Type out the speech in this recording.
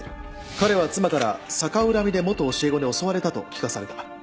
彼は妻から「逆恨みで元教え子に襲われた」と聞かされた。